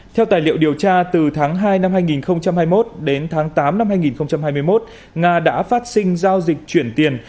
theo tài liệu điều tra từ tháng hai năm hai nghìn hai mươi một đến tháng tám năm hai nghìn hai mươi một nga đã phát sinh giao dịch chuyển tiền